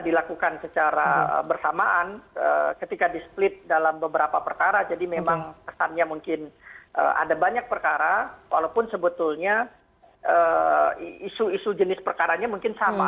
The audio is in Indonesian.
dilakukan secara bersamaan ketika di split dalam beberapa perkara jadi memang kesannya mungkin ada banyak perkara walaupun sebetulnya isu isu jenis perkaranya mungkin sama